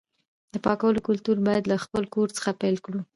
د پاکوالي کلتور باید له خپل کور څخه پیل کړو.